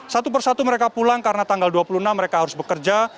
satu persatu mereka pulang karena tanggal dua puluh enam mereka harus bekerja